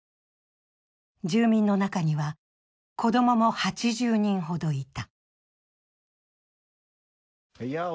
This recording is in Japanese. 住民の中には子供も８０人ほどいた。